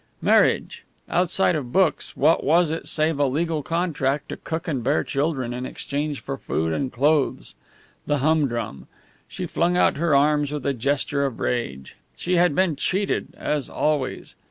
Marriage. Outside of books, what was it save a legal contract to cook and bear children in exchange for food and clothes? The humdrum! She flung out her arms with a gesture of rage. She had been cheated, as always.